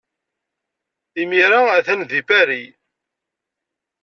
Imir-a atan deg Paris.